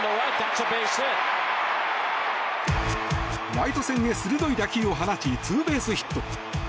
ライト線へ鋭い打球を放ちツーベースヒット。